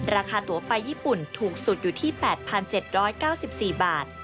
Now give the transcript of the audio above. ราคาตัวไปญี่ปุ่นถูกสุดอยู่ที่๘๗๙๔บาท